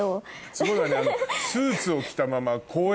すごいわね。